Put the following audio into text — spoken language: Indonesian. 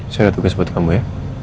saya ada tugas buat kamu ya